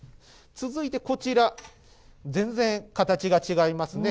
続いてこちら、全然形が違いますね。